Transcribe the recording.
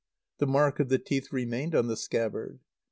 The mark of the teeth remained on the scabbard.